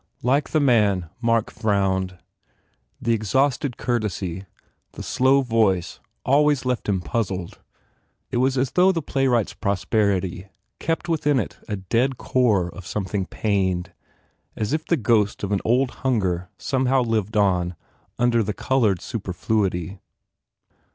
Liking the man, Mark frowned. The exhausted courtesy, the slow voice always left him puzzled; it was as 55 THE FAIR REWARDS though the playwright s prosperity kept within it a dead core of something pained, as if the ghost of an old hunger somehow lived on under the coloured superfluity.